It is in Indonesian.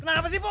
kenapa sih po